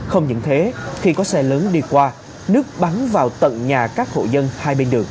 không những thế khi có xe lớn đi qua nước bắn vào tận nhà các hộ dân hai bên đường